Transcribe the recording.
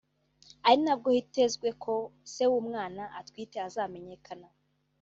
ari nabwo hitezwe ko se w’umwana atwite azamenyekana